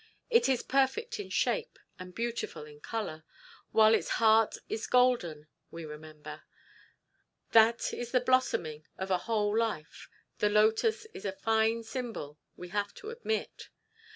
It is perfect in shape, and beautiful in colour, while its heart is golden, we remember. That is the blossoming of a whole life. The lotus is a fine symbol, we have to admit.